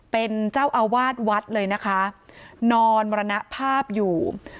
เป็นเจ้าอาวาสวัดเลยนะคะนอนมรณภาพอยู่